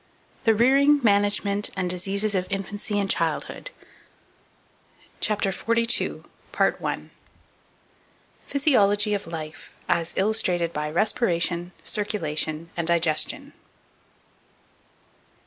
THE REARING, MANAGEMENT, AND DISEASES OF INFANCY AND CHILDHOOD. CHAPTER XLII. Physiology of Life, as illustrated by Respiration, Circulation, and Digestion.